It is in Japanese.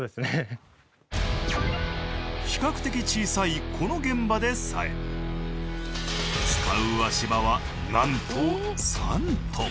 比較的小さいこの現場でさえ使う足場はなんと３トン。